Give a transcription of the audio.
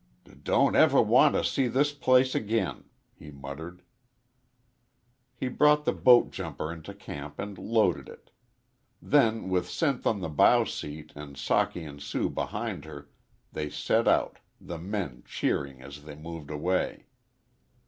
"D don't never w want t' s see this place ag'in," he muttered. He brought the boat jumper into camp and loaded it. Then with Sinth on the bow seat and Socky and Sue behind her they set out, the men cheering as they moved away.